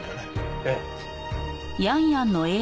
ええ。